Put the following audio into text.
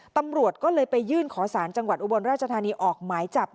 ตำรวจก็เลยไปยื่นขอสารจังหวัดอุบลราชธานีออกหมายจับ